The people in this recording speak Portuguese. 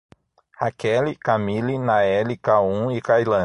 Raqueli, Kamily, Naeli, Kaun e Kailaine